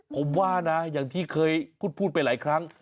ผมว่านะอย่างที่เคยพูดไปหลายครั้ง